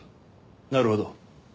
なるほど。